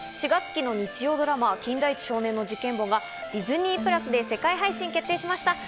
４月期の日曜ドラマ『金田一少年の事件簿』がディズニープラスで世界配信決定しました。